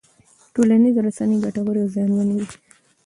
ټولنیزې رسنۍ ګټورې او زیانمنې دي.